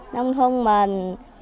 nông thôn mình